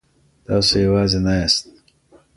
تاسو يوازي نه ياست.